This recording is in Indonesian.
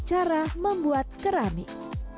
cara membuat keramik